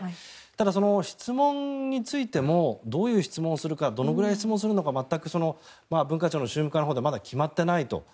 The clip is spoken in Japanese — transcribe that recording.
ただ、その質問についてもどういう質問をするかどのくらい質問をするのか文化庁宗務課のほうではまだ決まっていないと。